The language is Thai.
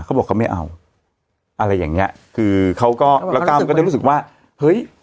เขาบอกเขาไม่เอาอะไรอย่างเงี้ยคือเขาก็แล้วกล้ามก็จะรู้สึกว่าเฮ้ย